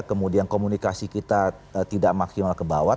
kemudian komunikasi kita tidak maksimal kebawah